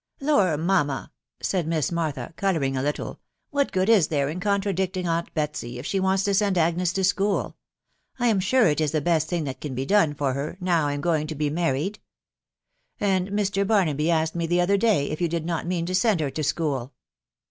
"Lory mamma!" said Miss Mazthay. colouring, a little, "what good is there in contradicting .aunt Betsy, if Bhe wants to* send Agnes to school? I am sure it is the best thing that can be done for* her* nowi I am going^to be married A'nd' Mn Barnaby ' asked ■ rme t\ie otfosar. &kj , Si ^<s*> ^*^^ mean to send her to school."